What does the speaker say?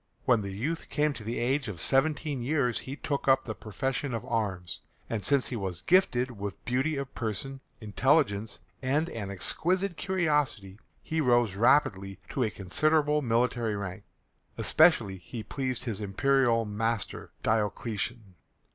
When the youth came to the age of seventeen years he took up the profession of arms, and since he was gifted with beauty of person, intelligence, and an exquisite courtesy, he rose rapidly to a considerable military rank. Especially he pleased his imperial master, Diocletian.